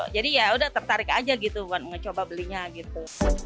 jadi yaudah tertarik aja gitu buat mencoba belinya gitu